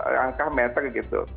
rangka meter gitu